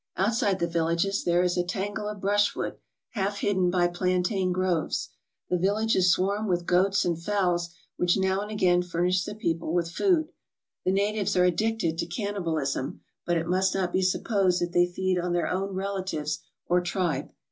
Outside the villages there is a tangle of brushwood, half hidden by plantain groves. The villages swarm with goats and fowls, which now and again furnish the people with food. The natives are addicted to cannibalism, but it must not be supposed that they feed on their own relatives or tribe.